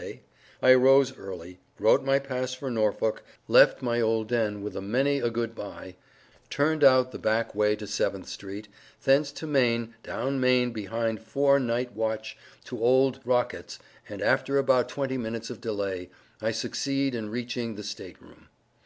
day, I arose early, wrote my pass for Norfolk left my old Den with a many a good bye, turned out the back way to 7th St., thence to Main, down Main behind 4 night waich to old Rockett's and after about 20 minutes of delay I succeed in Reaching the State Room.